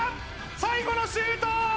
最後のシュート！